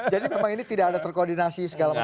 jadi memang ini tidak ada terkoordinasi segala macam